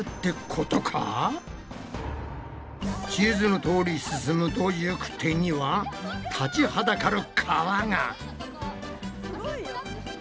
地図のとおり進むと行く手には立ちはだかる川が！